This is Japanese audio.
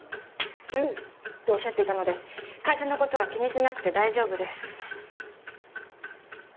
どう？」っておっしゃっていたので会社のことは気にしなくて大丈夫です。